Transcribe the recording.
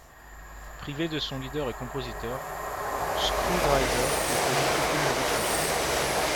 Privé de son leader et compositeur, Skrewdriver ne produit aucune nouvelle chanson.